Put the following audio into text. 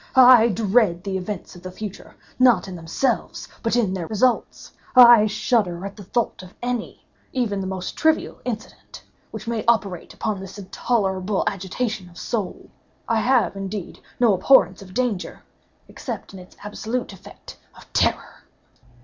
I dread the events of the future, not in themselves, but in their results. I shudder at the thought of any, even the most trivial, incident, which may operate upon this intolerable agitation of soul. I have, indeed, no abhorrence of danger, except in its absolute effect—in terror.